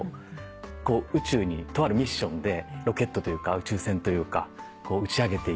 宇宙にとあるミッションでロケットというか宇宙船というか打ち上げていく。